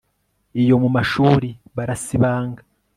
Iyo mu mashuri barasibanga